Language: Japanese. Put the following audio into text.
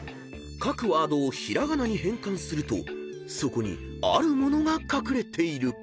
［書くワードを平仮名に変換するとそこにあるものが隠れている］